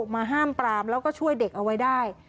มาห้ามปรามแล้วก็ช่วยเด็กเอาไว้ได้